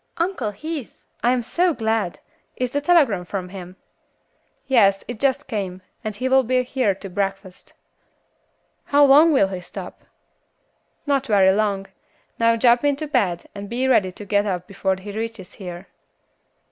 "Uncle Heath! I am so glad. Is the telegram from him?" "Yes, it just came, and he will be here to breakfast." "How long will he stop?" "Not very long. Now jump into bed and be ready to get up before he reaches here."